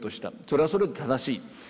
それはそれで正しい。